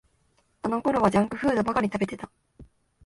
あのころはジャンクフードばかり食べてた